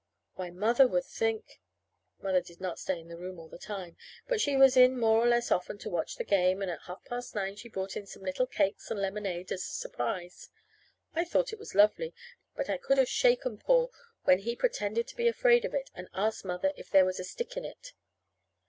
Why, Mother would think Mother did not stay in the room all the time; but she was in more or less often to watch the game; and at half past nine she brought in some little cakes and lemonade as a surprise. I thought it was lovely; but I could have shaken Paul when he pretended to be afraid of it, and asked Mother if there was a stick in it.